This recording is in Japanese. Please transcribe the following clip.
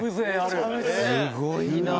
すごいな！